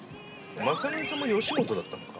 ◆まさのりさんも吉本だったのか。